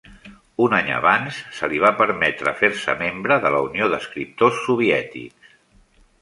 Un any abans, se li va permetre fer-se membre de la Unió d'escriptors soviètics.